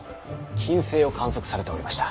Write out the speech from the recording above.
金星を観測されておりました。